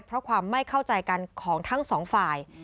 เพราะความไม่เข้าใจกันของทั้งสองฝ่าย